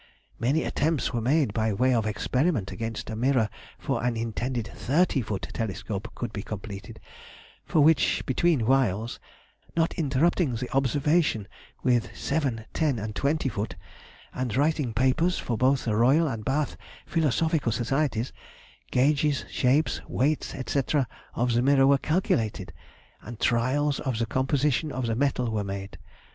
Many attempts were made by way of experiment against a mirror for an intended thirty foot telescope could be completed, for which, between whiles (not interrupting the observations with seven, ten, and twenty foot, and writing papers for both the Royal and Bath Philosophical Societies) gauges, shapes, weight, &c., of the mirror were calculated, and trials of the composition of the metal were made.